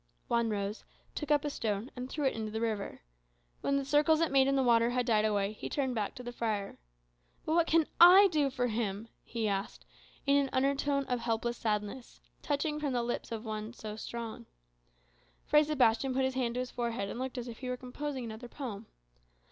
Juan rose, took up a stone, and threw it into the river. When the circles it made in the water had died away, he turned back to the friar. "But what can I do for him?" he asked, with an undertone of helpless sadness, touching from the lips of one so strong. Fray Sebastian put his hand to his forehead, and looked as if he were composing another poem.